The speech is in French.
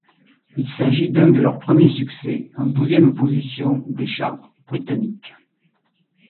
Il s'agit d'un de leurs premiers succès, en douzième position des charts britanniques.